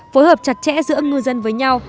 phối hợp chặt chẽ giữa ngư dân với nhau